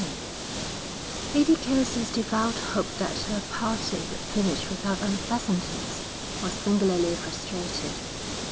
XVI Lady Kelsey's devout hope that her party would finish without unpleasantness was singularly frustrated.